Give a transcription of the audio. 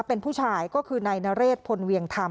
เป็นผู้ชายก็คือนายนเรศพลเวียงธรรม